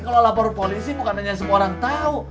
kalau lapor polisi bukan hanya semua orang tahu